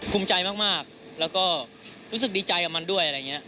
ภูมิใจมากแล้วก็รู้สึกดีใจกับมันด้วยอะไรอย่างนี้